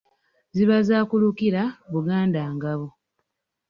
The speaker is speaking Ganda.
Ziba za kulukira Buganda ngabo.